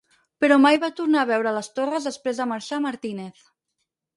Però mai va tornar a veure les torres després de marxar a Martínez.